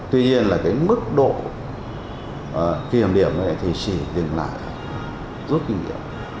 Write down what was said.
tuy nhiên là cái mức độ kiểm điểm này thì chỉ đừng là rút kinh nghiệm